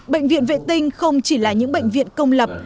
bệnh viện vệ tinh không chỉ là những bệnh viện công lập